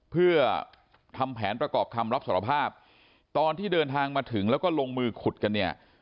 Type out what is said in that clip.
เพื่อทำแผนประกอบคำรับสารภาพตอนที่เดินทางมาถึงแล้วก็ลงมือขุดกันเนี่ย